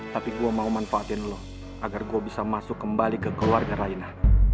tapi gue mau manfaatin lo agar gue bisa masuk kembali ke keluarga raina